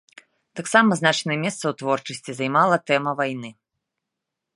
Таксама значнае месца ў творчасці займала тэма вайны.